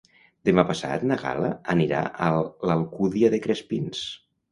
Demà passat na Gal·la anirà a l'Alcúdia de Crespins.